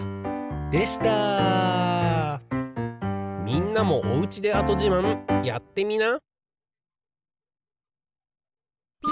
みんなもおうちで跡じまんやってみな。